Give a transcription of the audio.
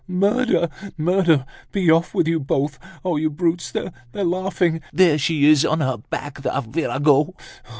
"Murder! Murder! Be off with you both. Oh! you brutes, they're laughing. There she is on her back, the virago!